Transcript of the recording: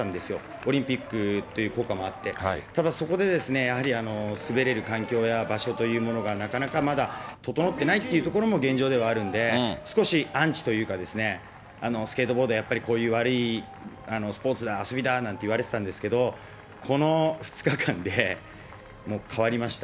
オリンピックっていう効果もあって、ただ、そこでやはり滑れる環境や場所というものがなかなかまだ整ってないっていうところも現状ではあるので、少しアンチというか、スケートボード、やっぱりこういう悪いスポーツだ、遊びだなんて言われてたんですけど、この２日間で、もう変わりました。